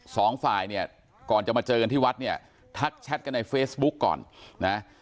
สองฝ่ายเนี่ยก่อนจะมาเจอกันที่วัดเนี่ยทักแชทกันในเฟซบุ๊กก่อนนะ